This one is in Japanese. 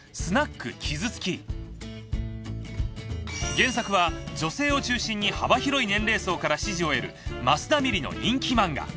原作は女性を中心に幅広い年齢層から支持を得る益田ミリの人気漫画。